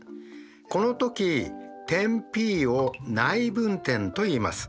この時点Ｐを内分点といいます。